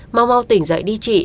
mau mau tỉnh dậy đi chị